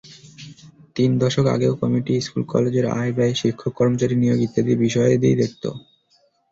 তিন দশক আগেও কমিটি স্কুল-কলেজের আয়-ব্যয়, শিক্ষক-কর্মচারী নিয়োগ ইত্যাদি বিষয়াদিই দেখত।